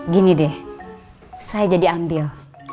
gini deh saya jadi ambil